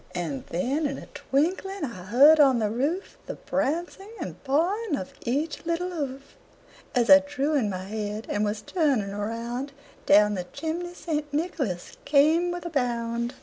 And then in a twinkling I heard on the roof The prancing and pawing of each little hoof, As I drew in my head and was turning around, Down the chimney St. Nicholas came with a bound.